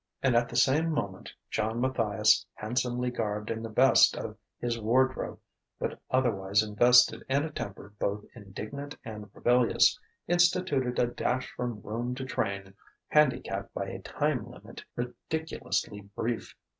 And at the same moment, John Matthias, handsomely garbed in the best of his wardrobe but otherwise invested in a temper both indignant and rebellious, instituted a dash from room to train, handicapped by a time limit ridiculously brief.